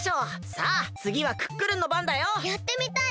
さあつぎはクックルンのばんだよ。やってみたい！